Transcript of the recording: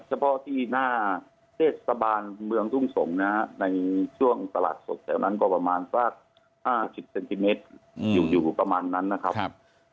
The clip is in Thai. เฉพาะที่หน้าเทศบาลเมืองทุ่งสงศ์นะฮะในช่วงตลาดสดแถวนั้นก็ประมาณสัก๕๐เซนติเมตรอยู่ประมาณนั้นนะครับ